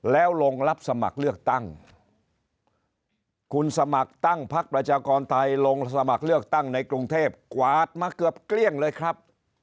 แล้วลงรับสมัครเลือกตั้งคุณสมัครตั้งพักประชากรไทยลงสมัครเลือกตั้งในกรุงเทพกวาดมาเกือบเกลี้ยงเลยครับ